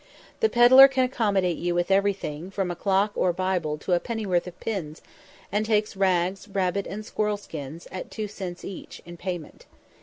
The pedlar can accommodate you with everything, from a clock or bible to a pennyworth of pins, and takes rags, rabbit and squirrel skins, at two cents each, in payment.